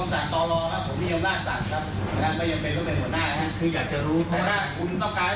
นะครับไม่ได้เรื่องถึงว่าต้องมาประทานอารมณ์นะครับ